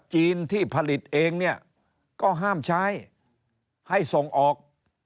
จีนที่ผลิตเองเนี่ยก็ห้ามใช้ให้ส่งออก